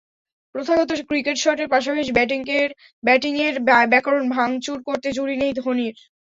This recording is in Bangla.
প্রথাগত ক্রিকেট শটের পাশাপাশি ব্যাটিংয়ের ব্যাকরণ ভাঙচুর করতে জুড়ি নেই ধোনির।